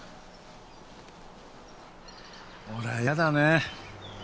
俺は嫌だね